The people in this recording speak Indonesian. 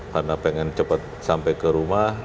karena pengen cepat sampai ke rumah